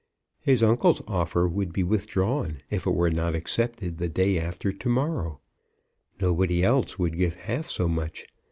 His uncle's offer would be withdrawn if it were not accepted the day after to morrow. Nobody else would give half so much.